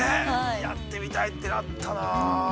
◆やってみたいってなったな。